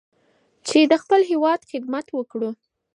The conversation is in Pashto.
چې د خپل هېواد خدمت وکړو.